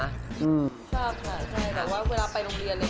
ทราบค่ะใช่แต่ว่าเวลาไปโรงเรียน